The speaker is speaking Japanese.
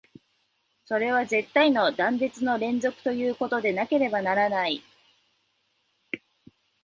それは絶対の断絶の連続ということでなければならない。